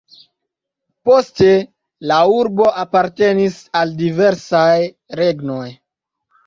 Poste la urbo apartenis al diversaj regnoj.